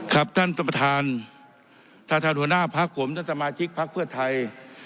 ครับท่านสมภาษณ์ทหัวหน้าภักษ์ผมท่านสมาชิกภักษ์เพื่อไทย